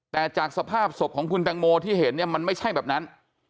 แต่จากสภาพศพของคุณตังโมที่เห็นเนี่ยมันไม่ใช่แบบนั้น